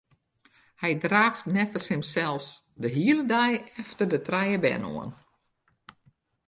Hy draaft neffens himsels de hiele dei efter de trije bern oan.